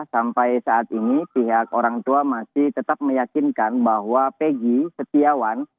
sampai saat ini pihak orang tua masih tetap meyakinkan bahwa peggy setiawan